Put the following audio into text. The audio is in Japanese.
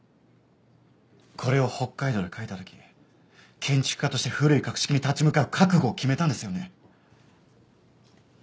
これを北海道で書いた時建築家として古い格式に立ち向かう覚悟を決めたんですよね？